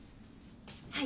はい。